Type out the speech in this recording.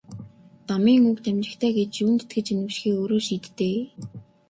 Дамын үг дамжигтай гэж юунд итгэж үнэмшихээ өөрөө шийд дээ.